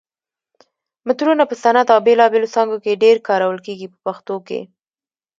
مترونه په صنعت او بېلابېلو څانګو کې ډېر کارول کېږي په پښتو کې.